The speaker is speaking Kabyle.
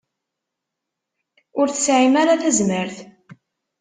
Ur tesɛim ara tazmert.